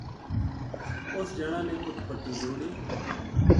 اُس جنا نے اُت پٹی جوڑی